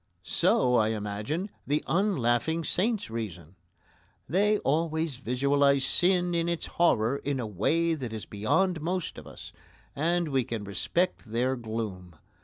So, I imagine, the unlaughing saints reason. They always visualise sin in its horror in a way that is beyond most of us, and we can respect their gloom.